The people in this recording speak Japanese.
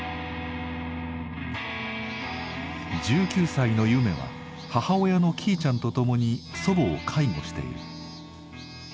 １９歳のゆめは母親のきいちゃんと共に祖母を介護している。